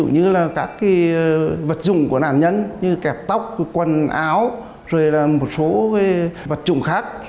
như là các vật dụng của nạn nhân như kẹp tóc quần áo rồi là một số vật trùng khác